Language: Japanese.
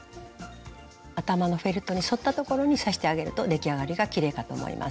頭のフェルトに沿ったところに刺してあげると出来上がりがきれいかと思います。